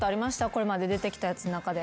これまで出てきたやつの中で。